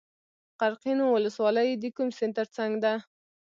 قرقین ولسوالۍ د کوم سیند تر څنګ ده؟